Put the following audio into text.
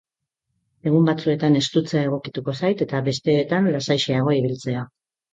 Egun batzuetan estutzea egokituko zait eta besteetan lasaixeago ibiltzea.